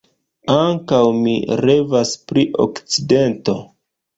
Ankaŭ mi revas pri Okcidento.